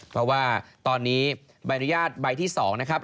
เพราะว่าตอนนี้ใบอนุญาตใบที่๒นะครับ